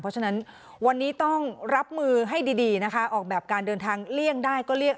เพราะฉะนั้นวันนี้ต้องรับมือให้ดีนะคะออกแบบการเดินทางเลี่ยงได้ก็เลี่ยง